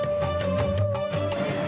eh meh meh